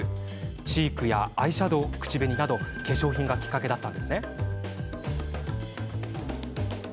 チークやアイシャドー、口紅など化粧品がきっかけでした。